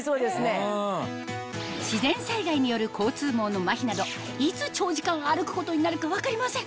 自然災害による交通網の麻痺などいつ長時間歩くことになるか分かりません